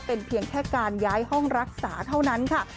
เป็นเพียงแค่การย้ายห้องรักษาเท่านั้นค่ะ